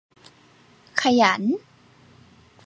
ขยัน